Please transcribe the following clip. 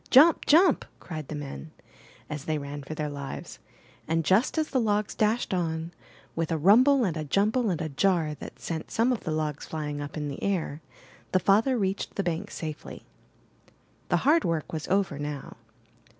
''Jump! Jump!'' cried the men, as they ran for their lives; and, just as the logs dashed on, with a rumble and a jumble and a jar that sent some of the logs flying up in the air, the father reached the bank safely. The hard work was over now.